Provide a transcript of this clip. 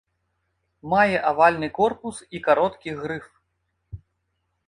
Мае авальны корпус і кароткі грыф.